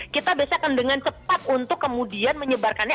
kita biasakan dengan cepat untuk kemudian menyebarkannya